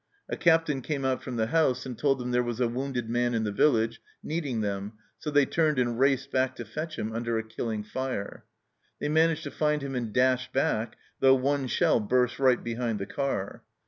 A Captain came out from the house and told them there was a wounded man in the village needing them, so they turned and raced back to fetch him under a killing fire. They managed to find him and dashed back, though one shell burst right behind the car.